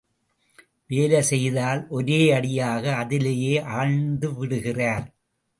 வேலை செய்தால், ஒரேயடியாக அதிலேயே ஆழ்ந்துவிடுகிறார்.